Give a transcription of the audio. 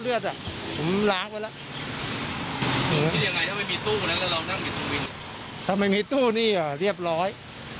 เลือดอ่ะผมล้างไปแล้วถ้าไม่มีตู้นี่อ่ะเรียบร้อย